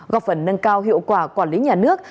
góp phần nâng cao hiệu quả quản lý nhà nước